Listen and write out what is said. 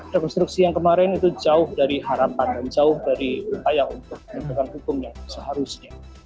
rekonstruksi yang kemarin itu jauh dari harapan dan jauh dari upaya untuk menegakkan hukum yang seharusnya